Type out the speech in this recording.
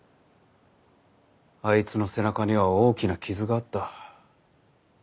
あいつの背中には大きな傷があった。